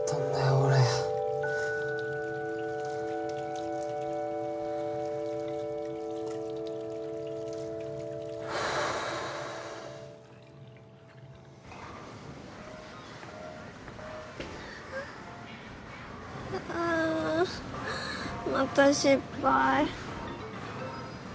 俺ふうあまた失敗